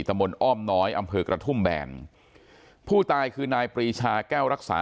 มนต์อ้อมน้อยอำเภอกระทุ่มแบนผู้ตายคือนายปรีชาแก้วรักษา